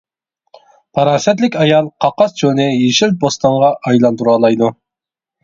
«پاراسەتلىك ئايال قاقاس چۆلنى يېشىل بوستانغا ئايلاندۇرالايدۇ. ».